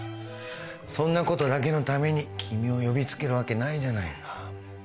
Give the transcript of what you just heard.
そんな事だけのために君を呼びつけるわけないじゃないか。